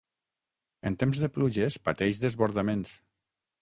En temps de pluges pateix desbordaments.